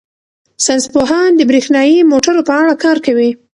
ساینس پوهان د بریښنايي موټرو په اړه کار کوي.